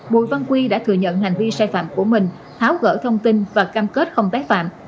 bùi văn quy đã thừa nhận hành vi sai phạm của mình tháo gỡ thông tin và cam kết không tái phạm